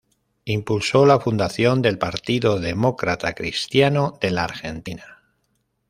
Impulsó la fundación del Partido Demócrata Cristiano de la Argentina.